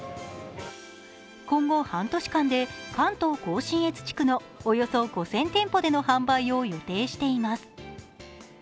今後半年間で関東甲信越地区のおよそ５０００店舗での販売を予定しています。